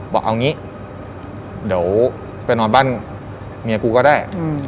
บอกเอางี้เดี๋ยวไปนอนบ้านเมียกูก็ได้